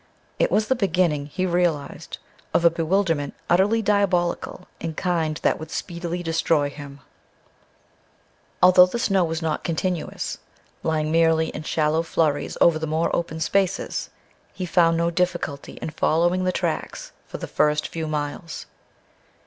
It was the beginning, he realized, of a bewilderment utterly diabolical in kind that would speedily destroy him. Although the snow was not continuous, lying merely in shallow flurries over the more open spaces, he found no difficulty in following the tracks for the first few miles.